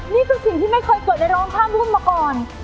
นี่คือสิ่งที่ไม่เคยเกิดในร้องข้ามรุ่นมาก่อน